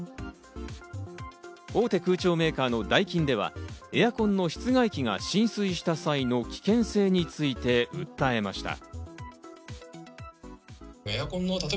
大手空調メーカーのダイキンではエアコンの室外機が浸水した際の危険性について訴えました。